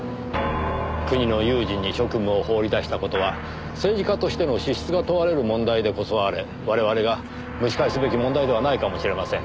国の有事に職務を放り出した事は政治家としての資質が問われる問題でこそあれ我々が蒸し返すべき問題ではないかもしれません。